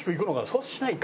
それはしないか。